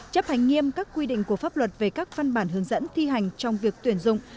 chấp hành nghiêm các quy định của pháp luật về các văn bản hướng dẫn thi hành trong việc tuyển dụng